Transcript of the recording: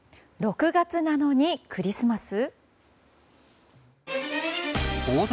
６月なのにクリスマス？